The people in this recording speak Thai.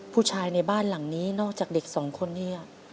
ผู้ชายในบ้านหลังนี้นอกจากเด็กสองคนนี่